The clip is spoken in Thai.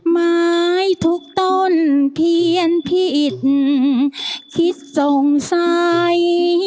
ไม้ทุกต้นเพียนผิดคิดสงสัย